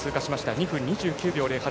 ２分２９秒０８。